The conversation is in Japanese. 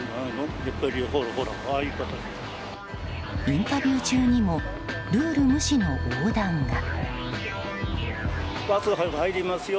インタビュー中にもルール無視の横断が。